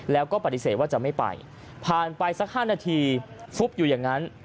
แล้วก็ปฏิเสธว่าจะไม่ไปผ่านไปสัก๕นาทีฟุบอยู่อย่างนั้น